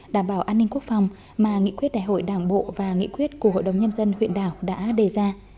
đảm bảo an ninh quốc phòng mà nghị quyết đại hội đảng bộ và nghị quyết của hội đồng nhân dân huyện đảo đã đề ra